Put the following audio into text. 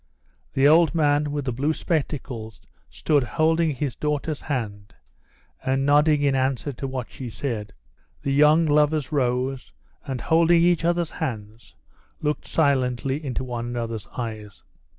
The old man with the blue spectacles stood holding his daughter's hand and nodding in answer to what she said. The young lovers rose, and, holding each other's hands, looked silently into one another's eyes.